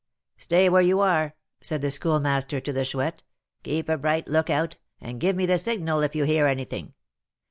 'Stay where you are,' said the Schoolmaster to the Chouette; 'keep a bright lookout, and give me the signal if you hear anything.'